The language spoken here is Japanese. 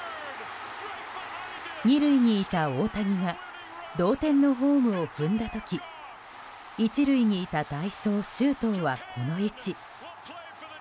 ２塁にいた大谷が同点のホームを踏んだ時１塁にいた代走・周東はこの位置。